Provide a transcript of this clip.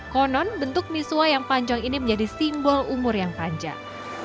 konon bentuk misua yang panjang ini menjadi simbol umur yang panjang